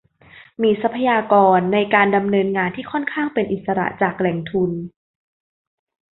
มีทรัพยากรในการดำเนินงานที่ค่อนข้างเป็นอิสระจากแหล่งทุน